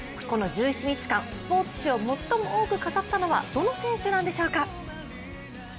この１７日間、スポーツ紙を最も多く飾ったのはどの選手なんでしょうか？